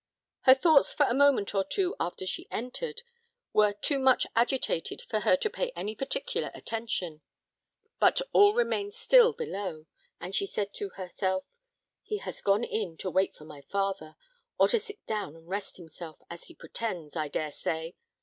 Her thoughts for a moment or two after she entered, were too much agitated for her to pay any particular attention; but all remained still below, and she said to herself, "He has gone in to wait for my father, or to sit down and rest himself, as he pretends, I dare say.